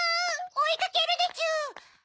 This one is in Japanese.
おいかけるでちゅ！